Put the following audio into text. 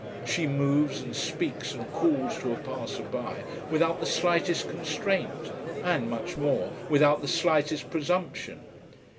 She moves and speaks and calls to a passer by without the slightest constraint, and much more, without the slightest presumption.